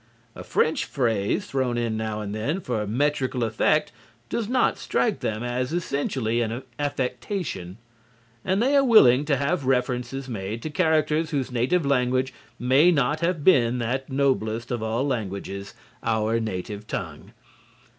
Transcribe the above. A French phrase thrown in now and then for metrical effect does not strike them as essentially an affectation, and they are willing to have references made to characters whose native language may not have been that noblest of all languages, our native tongue.